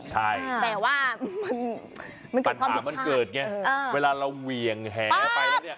ใช่แต่ว่าปัญหามันเกิดไงเวลาเราเหวี่ยงแหไปแล้วเนี่ย